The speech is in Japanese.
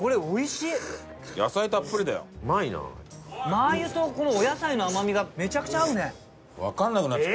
マー油とこのお野菜の甘みがめちゃくちゃ合うね。